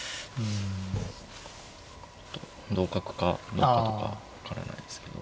同角か同歩か分からないですけど。